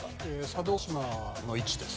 佐渡島の位置です。